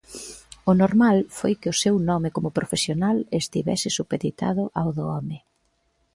O normal foi que o seu nome como profesional estivese supeditado ao do home.